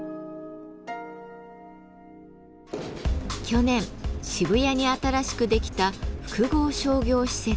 去年渋谷に新しくできた複合商業施設。